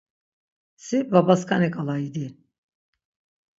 Si babaskaniǩala idi.